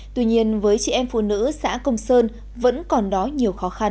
tuy nhiên với chị em phụ nữ xã công sơn vẫn còn đó nhiều khó khăn